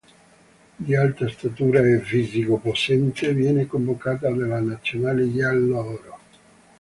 Di alta statura e fisico possente, viene convocata nella nazionale giallo-oro.